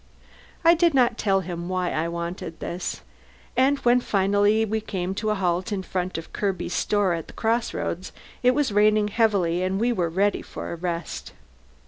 I did not tell him why I wanted this. And when finally we came to a halt in front of Kirby's store at the crossroads it was raining heavily and we were ready for a rest.